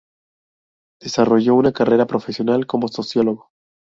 Desarrolló una carrera profesional como sociólogo.